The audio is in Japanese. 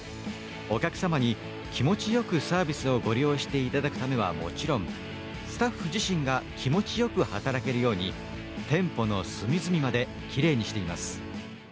お客様に気持ちよくサービスをご利用していただくためはもちろんスタッフ自身が気持ちよく働けるように店舗の隅々まで奇麗にしています。